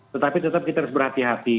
tetapi tetap kita harus berhati hati